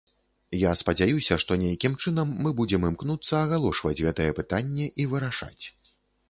Я спадзяюся, што нейкім чынам мы будзем імкнуцца агалошваць гэтае пытанне і вырашаць.